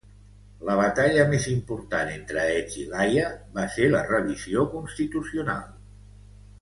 La batalla més important entre Edge i l'Haia va ser la revisió constitucional.